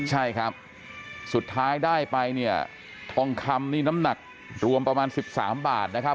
ใช่ครับสุดท้ายได้ไปเนี่ยทองคำนี่น้ำหนักรวมประมาณ๑๓บาทนะครับ